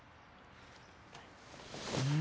うん。